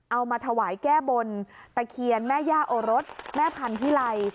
เอามาถวายแก้บนตะเคียนแม่ย่าโอรสแม่พันธิไล